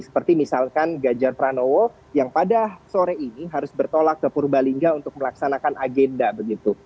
seperti misalkan gajar pranowo yang pada sore ini harus bertolak ke purbalingga untuk melaksanakan agenda begitu